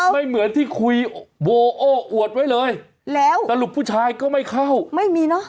เหมือนที่คุยโวโอ้อวดไว้เลยแล้วสรุปผู้ชายก็ไม่เข้าไม่มีเนอะ